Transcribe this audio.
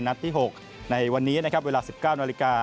นัดที่๖ในวันนี้นะครับเวลา๑๙น